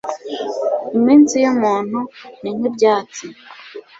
Iminsi y’umuntu ni nk’ibyatsi